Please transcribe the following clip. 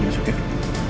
saya temenin masuk ya